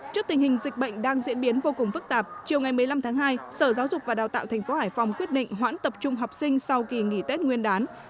trước tình hình dịch bệnh đang diễn biến vô cùng phức tạp chiều ngày một mươi năm tháng hai sở giáo dục và đào tạo tp hải phòng quyết định hoãn tập trung học sinh sau kỳ nghỉ tết nguyên đán